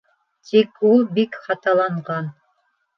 Тик ул бик хаталанған.